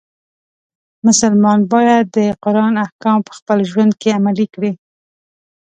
مسلمان باید د قرآن احکام په خپل ژوند کې عملی کړي.